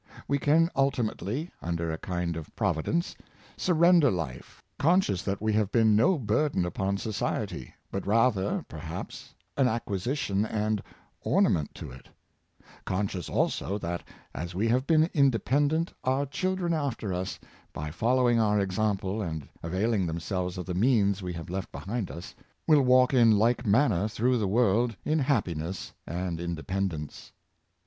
We can ultimately, under a kind Providence, surrender life, conscious that we have been no burden upon society, but rather, perhaps, an acquisition and ornament to it; conscious, also, that, as we have been independent, out children after us, by following our example and avail ing themselves of the means we have left behind us, will walk in like manner through the world in happi ness and independence.